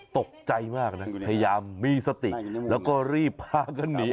ตกใจมากนะพยายามมีสติแล้วก็รีบพากันหนี